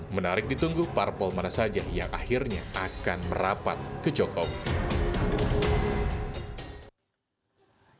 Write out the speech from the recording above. menarik ditunggu parpol mana saja yang akhirnya akan merapat ke jokowi